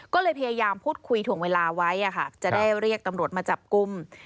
ก็เลยพยายามพูดคุยถ่วงเวลาไว้จะได้เรียกตำรวจมาจับกลุ่ม